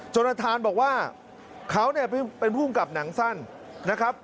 โจรธานบอกว่าเขาเป็นผู้กับหนังสั้นนะครับ